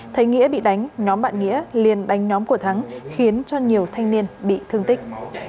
thấy nghĩa bị đánh nhóm bạn nghĩa liền đánh nhóm của thắng khiến cho nhiều thanh niên bị thương tích